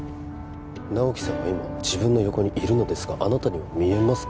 直木さんは今自分の横にいるのですがあなたには見えますか？